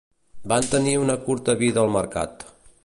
Van tenir una curta vida al mercat.